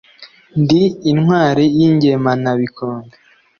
Ndi intwari y’ ingemanabikombe